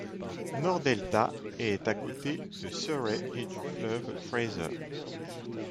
Nord-Delta est à côté de Surrey et du fleuve Fraser.